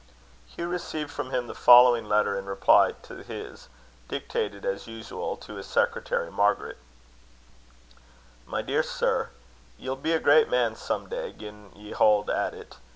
Hugh received from him the following letter in reply to his; dictated, as usual, to his secretary, Margaret: "MY DEAR SIR, "Ye'll be a great man some day, gin ye haud at it.